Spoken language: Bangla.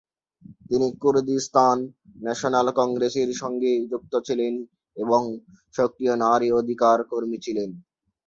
তিনি কুর্দিস্তান ন্যাশনাল কংগ্রেসের সঙ্গে যুক্ত ছিলেন এবং একজন সক্রিয় নারী অধিকার কর্মী ছিলেন।